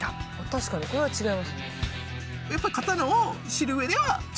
確かにこれは違いますね。